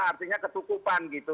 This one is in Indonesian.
artinya ketukupan gitu